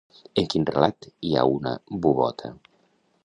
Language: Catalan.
En quin relat hi ha una bubota?